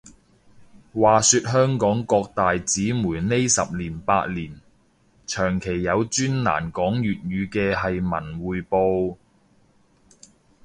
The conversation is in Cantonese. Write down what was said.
話說香港各大紙媒呢十年八年，長期有專欄講粵語嘅係文匯報